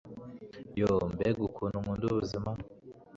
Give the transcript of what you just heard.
yoo, mbega ukuntu nkunda ubuzima